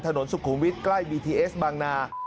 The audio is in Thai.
สุขุมวิทย์ใกล้บีทีเอสบางนา